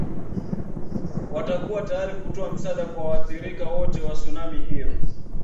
watakuwa tayari kutoa msaada kwa waathirika wote wa sunami hiyo